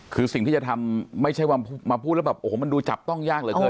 คือสิ่งที่จะทำไม่ใช่ว่ามาพูดแล้วมันดูจับต้องยากเหรอครับ